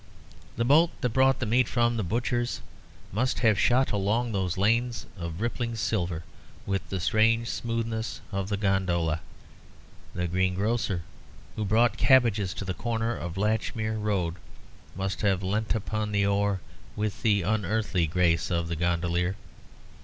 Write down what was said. The boat that brought the meat from the butcher's must have shot along those lanes of rippling silver with the strange smoothness of the gondola. The greengrocer who brought cabbages to the corner of the Latchmere Road must have leant upon the oar with the unearthly grace of the gondolier.